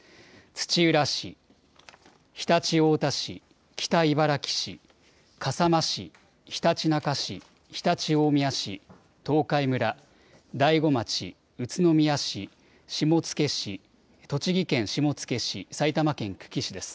土浦市、常陸太田市、北茨城市、笠間市、ひたちなか市、常陸大宮市、東海村、大子町、宇都宮市、栃木県下野市、埼玉県久喜市です。